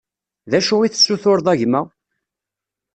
D acu i tessutureḍ a gma?